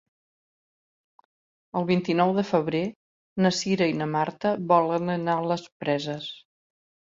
El vint-i-nou de febrer na Cira i na Marta volen anar a les Preses.